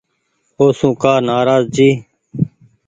اوسون ڪآ نآراز جي ۔